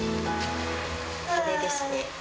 これですね。